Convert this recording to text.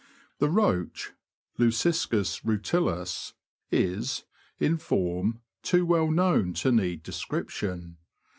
The Roach (Leuciscus rutilus) is, in form, too well known to need description.